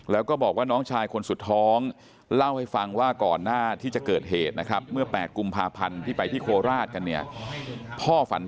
แล้วก็บอกว่าน้องชายคนสุดท้องเล่าให้ฟังว่าก่อนหน้าที่จะเกิดเหตุนะครับ